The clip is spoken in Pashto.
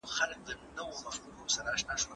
هغه پخپله اوږه ډېري مڼې وړي.